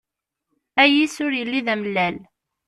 Ayis, ur yelli d amellal.